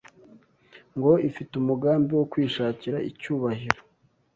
ngo ifite umugambi wo kwishakira icyubahiro